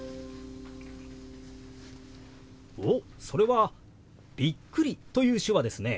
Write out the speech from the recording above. おっそれは「びっくり」という手話ですね。